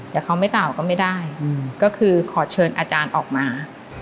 แต่เขาไม่กล่าวก็ไม่ได้ก็คือขอเชิญอาจารย์ออกมา